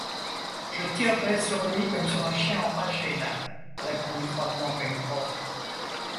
Je tirerais sur lui comme sur un chien enragé, Nab, répondit froidement Pencroff